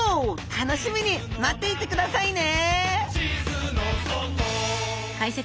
楽しみに待っていてくださいね！